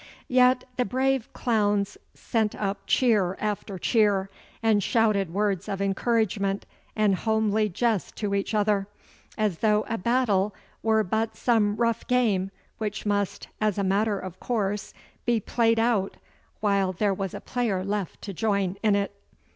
Yet the brave clowns sent up cheer after cheer, and shouted words of encouragement and homely jests to each other, as though a battle were but some rough game which must as a matter of course be played out while there was a player left to join in it.